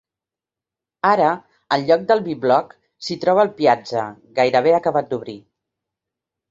Ara, en lloc del B-block s'hi troba el Piazza, gairebé acabat d'obrir.